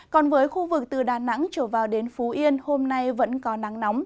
còn với khu vực từ đà nẵng trở vào đến phú yên hôm nay vẫn có nắng nóng